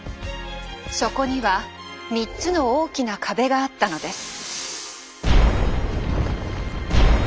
そこには３つの大きな壁があったのです。